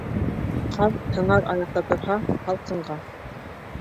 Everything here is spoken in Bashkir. Ҡаҙ һыңар аяҡта торһа, һалҡынға.